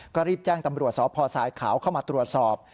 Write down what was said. ก็รีบแจ้งตำรวจสพสายขาวเข้ามาตรวจสอบ